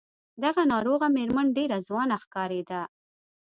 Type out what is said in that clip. دغه ناروغه مېرمن ډېره ځوانه ښکارېده.